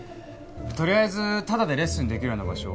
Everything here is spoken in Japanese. とりあえずタダでレッスンできるような場所